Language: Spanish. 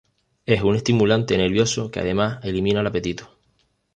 Es un estimulante nervioso que además elimina el apetito.